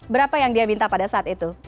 berapa yang dia minta pada saat itu